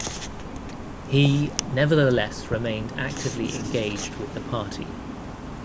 He nevertheless remained actively engaged with the party.